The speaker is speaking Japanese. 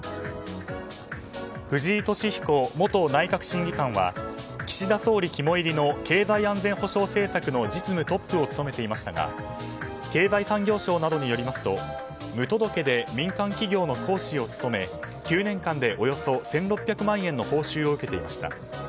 藤井敏彦元内閣審議官は岸田総理肝煎りの経済安全保障政策の実務トップを務めていましたが経済産業省などによりますと無届けで民間企業の講師を務め９年間で、およそ１６００万円の報酬を受けていました。